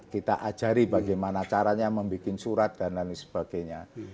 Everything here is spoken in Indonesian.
kita ajari bagaimana caranya membuat surat dan lain sebagainya